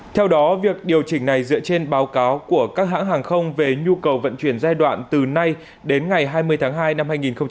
theo đó việc điều chỉnh này dựa trên báo cáo của các hãng hàng không về nhu cầu vận chuyển giai đoạn từ nay đến ngày hai mươi tháng hai năm hai nghìn hai mươi